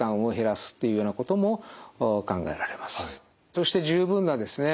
そして十分なですね